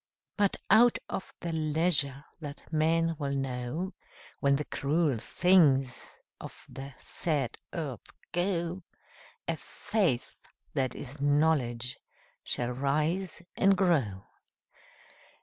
But out of the leisure that men will know, When the cruel things of the sad earth go, A Faith that is Knowledge shall rise and grow.